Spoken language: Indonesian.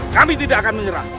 kami tidak akan menyerah